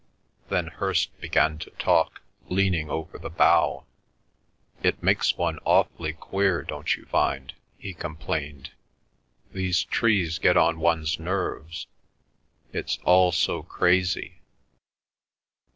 Then Hirst began to talk, leaning over the bow. "It makes one awfully queer, don't you find?" he complained. "These trees get on one's nerves—it's all so crazy.